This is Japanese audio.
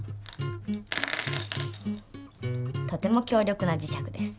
とても強力な磁石です。